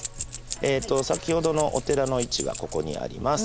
えっと先ほどのお寺の位置がここにあります。